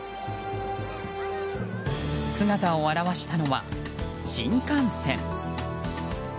姿を現したのは新幹線。